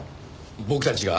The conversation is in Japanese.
僕たちが？